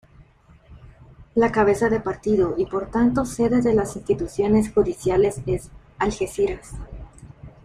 La cabeza de partido y por tanto sede de las instituciones judiciales es Algeciras.